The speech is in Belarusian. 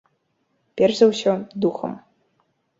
Перш за ўсё, духам.